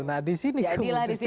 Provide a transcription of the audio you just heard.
nah di sini kemudian